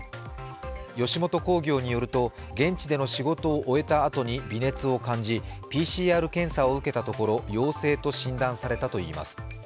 吉本興業によると、現地での仕事を終えたあとに微熱を感じ、ＰＣＲ検査を受けたところ、陽性と診断されたといいます。